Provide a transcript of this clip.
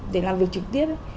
để làm việc trực tiếp